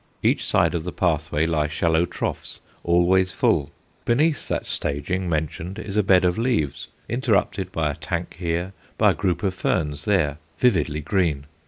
Each side of the pathway lie shallow troughs, always full. Beneath that staging mentioned is a bed of leaves, interrupted by a tank here, by a group of ferns there, vividly green.